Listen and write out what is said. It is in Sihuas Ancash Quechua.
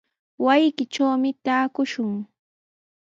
Wasiykitrawmi taakushaq.